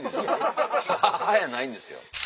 ハハハやないんですよ。